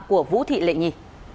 của vũ thị lệ nhi